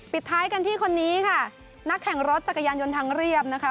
ท้ายกันที่คนนี้ค่ะนักแข่งรถจักรยานยนต์ทางเรียบนะคะ